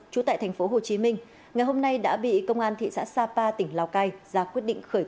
trú tại tp hồ chí minh ngày hôm nay đã bị công an thị xã sapa tỉnh lào cai ra quyết định khởi tố